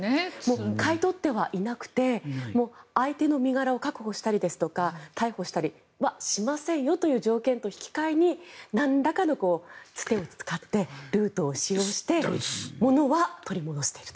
買い取ってはいなくて相手の身柄を確保したりとか逮捕したりはしませんよという条件と引き換えになんらかのつてを使ってルートを使用して物は取り戻していると。